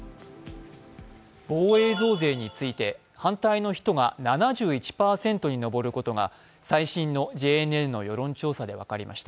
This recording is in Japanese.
防衛増税について反対の人が７１％に上ることが、最新のＪＮＮの世論調査で分かりました。